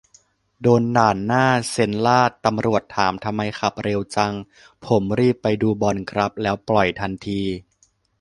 โดนด่านหน้าเซ็นลาด ตำรวจถามทำไมขับเร็วจัง ผมรีบไปดูบอลครับ แล้วปล่อยทันที